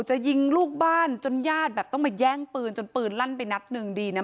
จะยิงลูกบ้านจนญาติแบบต้องมาแย่งปืนจนปืนลั่นไปนัดหนึ่งดีนะ